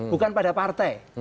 bukan pada partai